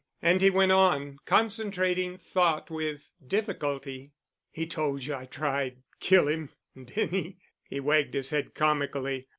And he went on, concentrating thought with difficulty. "He told you I tried—kill him—didn' he?" He wagged his head comically.